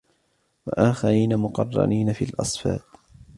وآخرين مقرنين في الأصفاد